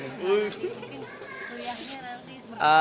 mungkin kuliahnya nanti sempat